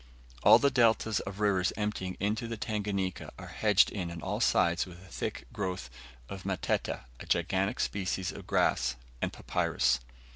All the deltas of rivers emptying into the Tanganika are hedged in on all sides with a thick growth of matete, a gigantic species of grass, and papyrus.